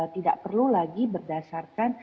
tidak perlu lagi berdasarkan